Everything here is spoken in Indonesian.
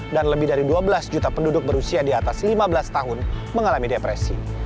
dan lebih dari dua belas juta penduduk berusia di atas lima belas tahun mengalami depresi